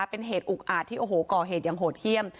เป็นเหตุอุกอาจที่โอ้โหก่อเหตุอย่างโหดเยี่ยม